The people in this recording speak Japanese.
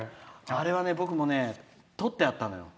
あれはね、僕もとってあったんですよ。